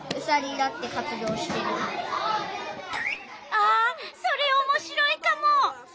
あそれおもしろいカモ。